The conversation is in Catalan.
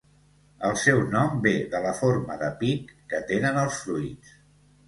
El seu nom ve de la forma de pic que tenen els fruits.